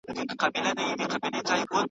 ناره پورته د اتڼ سي مستانه هغسي نه ده .